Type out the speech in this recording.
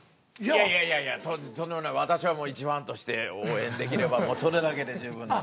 いやいやとんでもない私はもう一ファンとして応援できればもうそれだけで十分なんで。